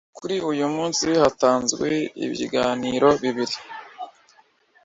Kuri uyu munsi hatanzwe ibiganiro bibiri